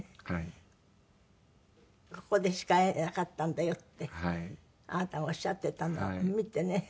「ここでしか会えなかったんだよ」ってあなたがおっしゃってたのを見てね